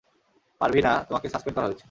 পারভীনা, তোমাকে সাসপেন্ড করা হয়েছে।